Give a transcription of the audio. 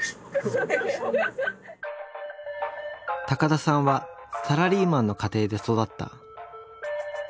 高田さんはサラリーマンの家庭で育った。